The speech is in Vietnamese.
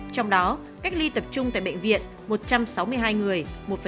trong đó cách ly tập trung tại bệnh viện một trăm sáu mươi hai người